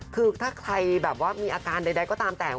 คือถ้าใครแบบว่ามีอาการใดก็ตามแต่